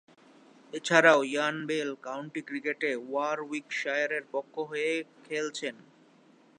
এছাড়াও, Ian Bell county ক্রিকেটে ওয়ারউইকশায়ারের পক্ষ হয়ে খেলছেন।